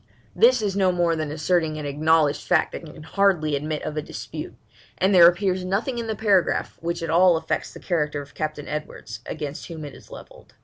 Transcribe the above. This is no more than asserting an acknowledged fact that can hardly admit of a dispute, and there appears nothing in the paragraph which at all affects the character of Captain Edwards, against whom it is levelled.